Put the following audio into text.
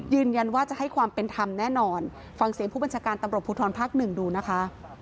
ยืนยันว่าจะให้ความเป็นธรรมแน่นอนฟังเสียงผู้บัญชาการตำรวจภูทรภาคหนึ่งดูนะคะ